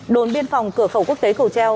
đồn biên phòng cửa khẩu quốc tế cầu treo